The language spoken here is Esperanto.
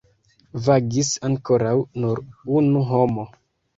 Vagis ankoraŭ nur unu homo.